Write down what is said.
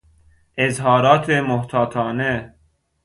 اظهارات محتاطانه